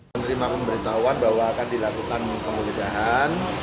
menerima pemberitahuan bahwa akan dilakukan penggeledahan